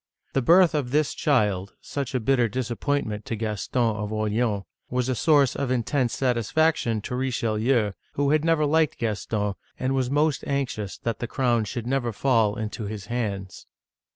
The birth of this child — such a bitter disappointment to Gaston of Or leans — was a source of intense satisfaction to Richelieu, who had never liked Gaston, and was most anxious that the crown should never fall into his hands.